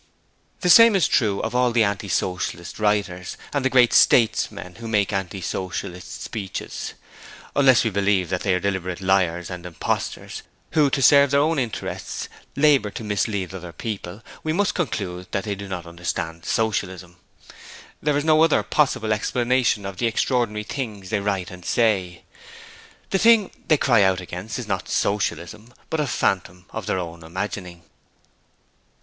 The same is true of all the anti socialist writers and the 'great statesmen' who make anti socialist speeches: unless we believe that they are deliberate liars and imposters, who to serve their own interests labour to mislead other people, we must conclude that they do not understand Socialism. There is no other possible explanation of the extraordinary things they write and say. The thing they cry out against is not Socialism but a phantom of their own imagining.